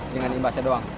dengan imbasnya doang